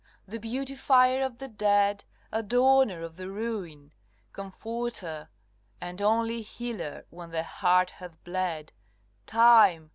the beautifier of the dead, Adorner of the ruin, comforter And only healer when the heart hath bled Time!